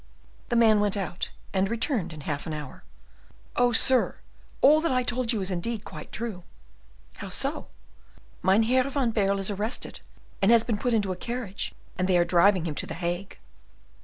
The man went out, and returned in half an hour. "Oh, sir, all that I told you is indeed quite true." "How so?" "Mynheer van Baerle is arrested, and has been put into a carriage, and they are driving him to the Hague."